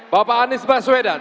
bapak anies baswedan